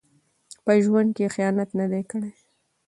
په ژوند کې یې خیانت نه دی کړی.